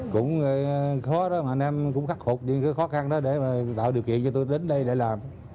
cũng khó đó mà anh em cũng khắc phục những cái khó khăn đó để mà tạo điều kiện cho tôi đến đây để làm